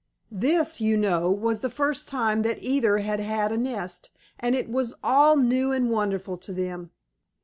This, you know, was the first time that either had had a nest, and it was all new and wonderful to them.